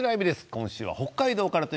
今週は北海道です。